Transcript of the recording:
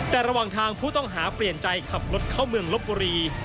แต่ระหว่างทางผู้ต้องหาเปลี่ยนใจขับรถเข้าเมืองลบบุรี